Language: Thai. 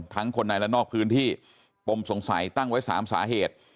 คนในและนอกพื้นที่ปมสงสัยตั้งไว้๓สาเหตุ